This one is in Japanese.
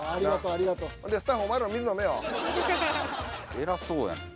偉そうやねん。